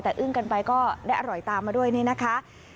แต่อึ้งกันไปก็ได้อร่อยตามมาด้วยนี่นะคะ